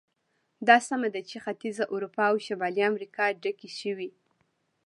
دا سمه ده چې ختیځه اروپا او شمالي امریکا ډکې شوې.